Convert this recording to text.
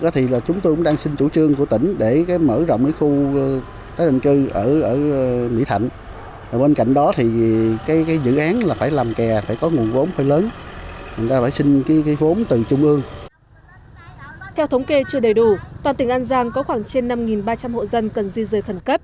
theo thống kê chưa đầy đủ toàn tỉnh an giang có khoảng trên năm ba trăm linh hộ dân cần di rời khẩn cấp